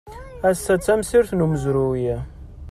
Ass-a d tamsirt n umezruy.